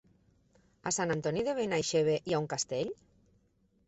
A Sant Antoni de Benaixeve hi ha un castell?